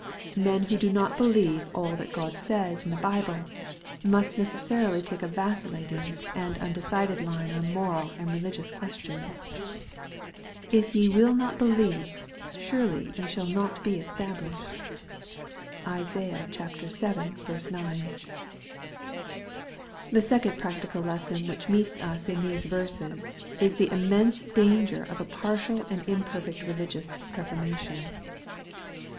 Men who do not believe all that God says in the Bible, must necessarily take a vi, cillating and undecided line on moral and religious questions. " If ye wiU not believe, surely ye shall not be established." (Isaiah vii. 9.) The second practical lesson which meets us in these verses is the immense danger of a partial and imperfect religiot^ reformation.